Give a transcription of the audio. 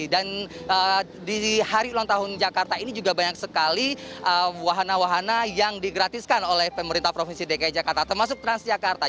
dan di hari ulang tahun jakarta ini juga banyak sekali wahana wahana yang digratiskan oleh pemerintah provinsi dki jakarta termasuk transjakarta